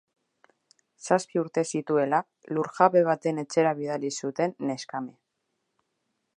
Zazpi urte zituela, lur-jabe baten etxera bidali zuten neskame.